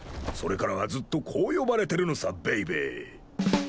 それからはずっとこう呼ばれてるのさベイベー。